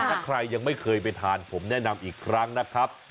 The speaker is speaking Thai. ถ้าใครยังไม่เคยไปทานผมแนะนำอีกครั้งนะครับ